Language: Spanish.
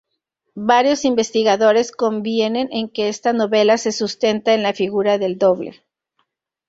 Varios investigadores convienen en que esta novela se sustenta en la figura del doble.